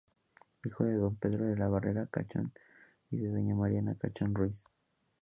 Hijo de don Pedro de la Barrera Chacón y de doña Mariana Chacón Ruíz.